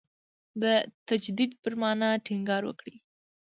د تجدید پر معنا ټینګار وکړي.